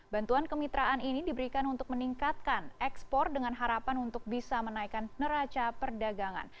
bantuan kemitraan ini diberikan untuk meningkatkan ekspor dengan harapan untuk bisa menaikkan neraca perdagangan